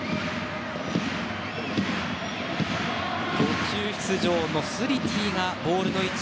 途中出場のスリティがボールの位置。